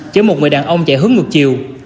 chở một người đàn ông chạy hướng ngược chiều